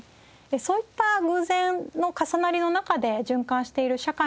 そういった偶然の重なりの中で循環している社会の中でですね